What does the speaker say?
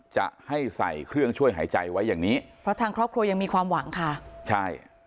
จะให้ใส่เครื่องช่วยหายใจไว้อย่างนี้เพราะทางครอบครัวยังมีความหวังค่ะใช่